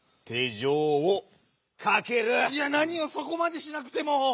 いやなにもそこまでしなくてもぉ！